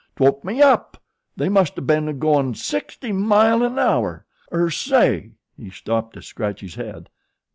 'T woke me up. They must o' ben goin' sixty mile an hour. Er say," he stopped to scratch his head.